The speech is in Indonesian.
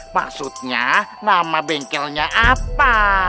maksudnya nama bengkelnya apa